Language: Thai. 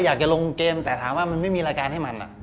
อยากจะลงเกมแต่ถามว่ามันไม่มีรายการให้มัน